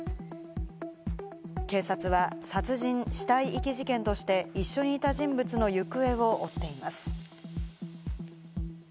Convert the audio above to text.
警察は殺人・死体遺棄事件として、一緒にいた人物の行方を追っています。